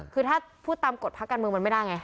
คือถ้าพูดตามกฎพักกันมึงมันไม่ได้ไง